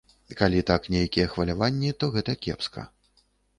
Калі так нейкія хваляванні, то гэта кепска.